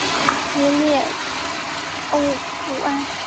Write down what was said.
维列欧布安。